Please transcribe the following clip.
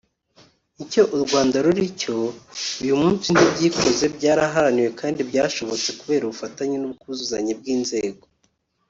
Icyo U Rwanda ruri cyo uyu munsi ntibyikoze; byaraharaniwe; kandi byashobotse kubera ubufatanye n’ubwuzuzanye bw’inzego